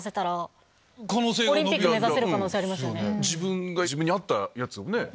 自分が自分に合ったやつをね